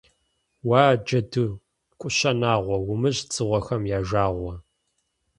Уа, Джэду, КӀущэ Нагъуэ, умыщӀ дзыгъуэхэм я жагъуэ.